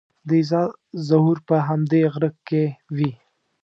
د عیسی ظهور به په همدې غره کې وي.